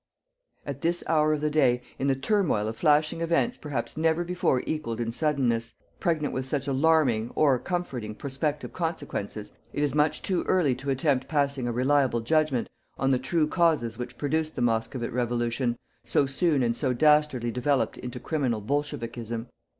At this hour of the day, in the turmoil of flashing events perhaps never before equalled in suddenness, pregnant with such alarming, or comforting, prospective consequences, it is much too early to attempt passing a reliable judgment on the true causes which produced the Moscovite revolution so soon and so dastardly developed into criminal "bolshevikism."